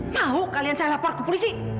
mau kalian saya lapor ke polisi